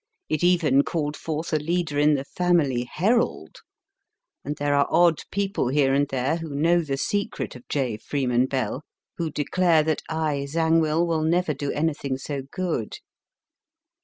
It even called forth a leader in the Family Herald^, and there are odd people here and there, who know the secret of J. Freeman Bell, who declare that I. Zangwill will never do anything so good.